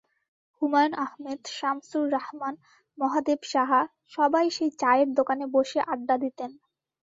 হুমায়ূন আহমেদ, শামসুর রাহমান, মহাদেব সাহা—সবাই সেই চায়ের দোকানে বসে আড্ডা দিতেন।